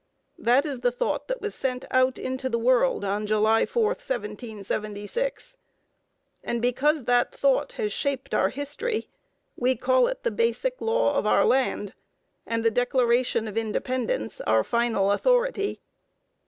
That is the thought that was sent out into the world on July 4, 1776, and because that thought has shaped our history, we call it the basic law of our land, and the Declaration of Independence our final authority.